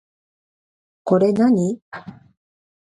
これ何